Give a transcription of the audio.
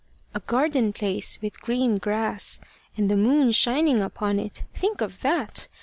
A garden place with green grass, and the moon shining upon it! Think of that!